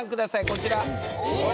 こちら。